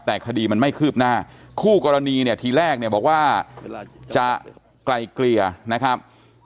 แต่คดีมันไม่คืบหน้าคู่กรณีเนี่ยทีแรกเนี่ยบอกว่าจะไกลเกลี่ยนะครับ